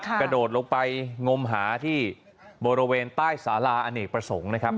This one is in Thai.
กระโดดลงไปงมหาที่บริเวณใต้สาราอเนกประสงค์นะครับ